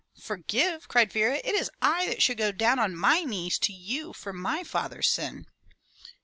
"Forgive!" cried Vera. "It is I that should go down on my knees to you for my father's sin."